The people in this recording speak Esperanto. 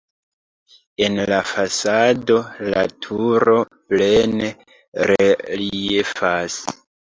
En la fasado la turo plene reliefas.